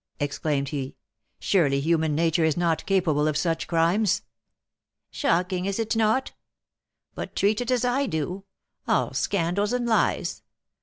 exclaimed he. "Surely human nature is not capable of such crimes!" "Shocking! Is it not? But treat it as I do, all scandal and lies.